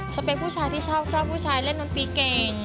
จะเป็นผู้ชายที่ชอบผู้ชายเล่นดนตรีเก่ง